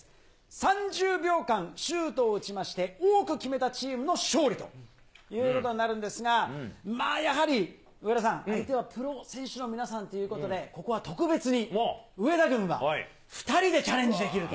３０秒間シュートを打ちまして、多く決めたチームの勝利ということになるんですが、やはり上田さん、相手はプロ選手の皆さんということで、ここは特別に、上田軍は２人でチャレンジできると。